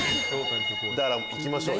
だから行きましょうよ。